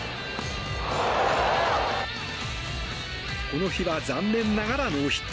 この日は残念ながらノーヒット。